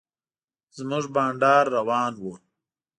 زموږ بنډار روان و.